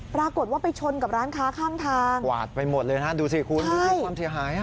ปรากฏว่าไปชนกับร้านค้าข้างทางกวาดไปหมดเลยนะดูสิคุณดูสิความเสียหาย